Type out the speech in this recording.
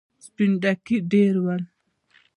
سپين ډکي ډېر ول.